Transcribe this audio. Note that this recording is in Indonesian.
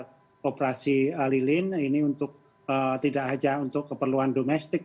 nah ini juga operasi lilin ini untuk tidak hanya untuk keperluan domestik